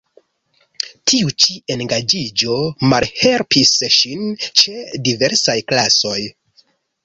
Tiu ĉi engaĝiĝo malhelpis ŝin ĉe diversaj klasoj.